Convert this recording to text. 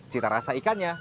cita rasa ikannya